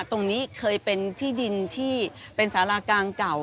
ตรงนี้เคยเป็นที่ดินที่เป็นสารากลางเก่า